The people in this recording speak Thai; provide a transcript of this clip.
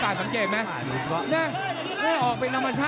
หนาถดดดดดออกง่ายนะ